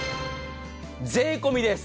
税込みです。